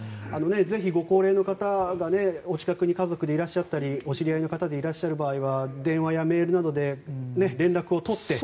ぜひ、ご高齢の方がお近くに家族でいらっしゃったりお知り合いの方でいらっしゃる場合は電話やメールなどで連絡を取って。